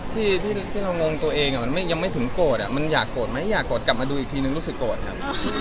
ที่เรางงตัวเองมันยังไม่ถึงโกรธมันอยากโกรธไหมอยากโกรธกลับมาดูอีกทีนึงรู้สึกโกรธครับ